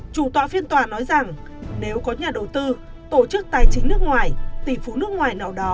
chủ tọa phiên tòa nói rằng nếu có nhà đầu tư tổ chức tài chính nước ngoài tỷ phú nước ngoài nào đó